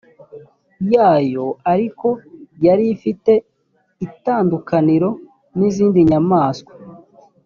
yayo ariko yari ifite itandukaniro n izindi nyamaswa